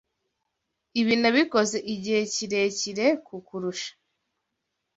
Ibi nabikoze igihe kirekire kukurusha.